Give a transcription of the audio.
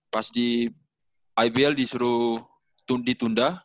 pas di ibl disuruh ditunda